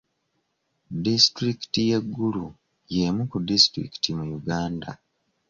Disitulikiti y'e Gulu y'emu ku disitulikiti mu Uganda.